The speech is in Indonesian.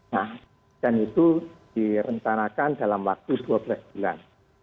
nah dan itu direncanakan dalam waktu dua belas bulan